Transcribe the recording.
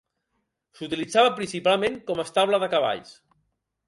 S'utilitzava principalment com a estable de cavalls.